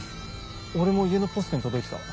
俺も家のポストに届いてた。